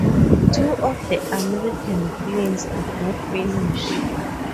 Two of the American planes did not finish.